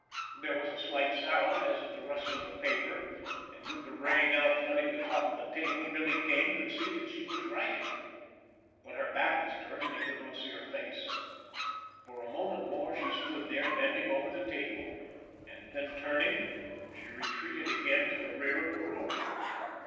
There was a slight sound as of the rustling of paper, and, with the ray now flooding the top of the table, Billy Kane could see that she was writing; but her back was turned, and he could not see her face. For a moment more she stood there bending over the table, and then, turning, she retreated again to the rear of the room.